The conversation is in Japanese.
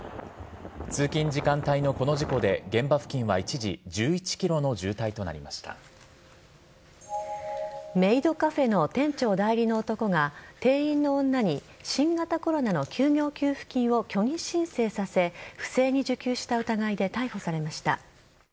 通勤時間帯のこの事故で現場付近はメイドカフェの店長代理の男が店員の女に新型コロナの休業給付金を虚偽申請させ不正に受給した疑いで逮捕されました。